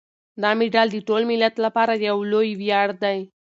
دا مډال د ټول ملت لپاره یو لوی ویاړ دی.